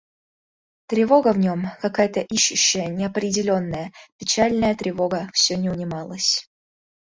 Тревога в нем, какая-то ищущая, неопределенная, печальная тревога, все не унималась.